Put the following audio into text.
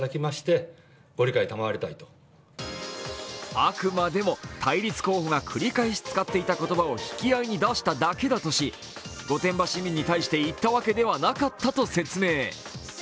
あくまでも対立候補が繰り返し使っていた言葉を引き合いに出しただけだとし御殿場市民に対して言ったわけではなかったと説明。